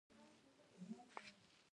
خو ایران مقاومت کړی دی.